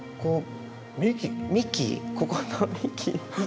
幹ここの幹。